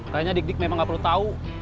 kayanya dik dik memang gak perlu tau